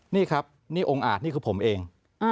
นี่ครับนี่องค์อาจนี่คือผมเอง